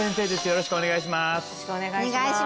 よろしくお願いします